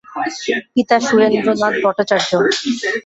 পিতা সুরেন্দ্রনাথ ভট্টাচার্য।